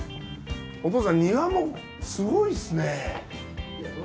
お父さん庭もすごいっすね。